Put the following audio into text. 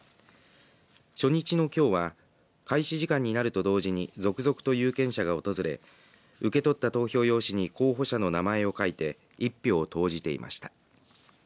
初日のきょうは開始時間になると同時に続々と有権者が訪れ受け取った投票用紙に候補者の名前を書いて一票を投じていました。